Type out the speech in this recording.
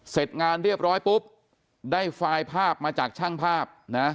เสร็จงานเรียบร้อยปุ๊บได้ไฟล์ภาพมาจากช่างภาพนะ